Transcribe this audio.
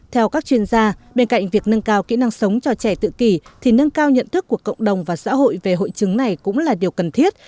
theo các chuyên gia bên cạnh việc nâng cao kỹ năng sống cho trẻ tự kỷ thì nâng cao nhận thức của cộng đồng và xã hội về hội chứng này cũng là điều cần thiết